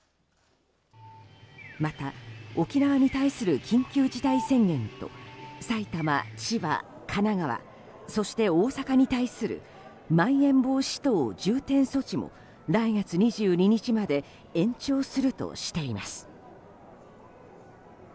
また沖縄に対する緊急事態宣言と埼玉、千葉、神奈川そして、大阪に対するまん延防止等重点措置も来月２２日まで延長するとしています。